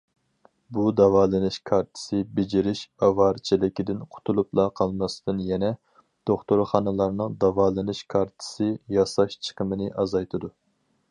بۇ داۋالىنىش كارتىسى بېجىرىش ئاۋارىچىلىكىدىن قۇتۇلۇپلا قالماستىن يەنە دوختۇرخانىلارنىڭ داۋالىنىش كارتىسى ياساش چىقىمىنى ئازايتىدۇ.